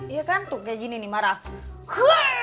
iya kan tuh kayak gini nih marah